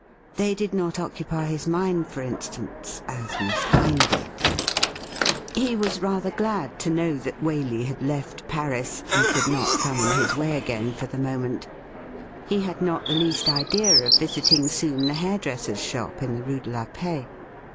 They did not occupy his mind, for instance, as Miss Vine did. He was rather glad to know that Waley had left Paris, and could not come in his way again for the moment. 'I COULD HAVE LOVED YOU' 99 He had not the least idea of visiting soon the hairdresser's shop in the Rue de la Paix.